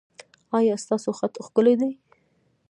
ایا ستاسو خط ښکلی دی؟